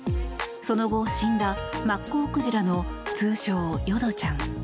その後、死んだマッコウクジラの通称・淀ちゃん。